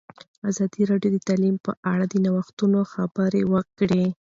ازادي راډیو د تعلیم په اړه د نوښتونو خبر ورکړی.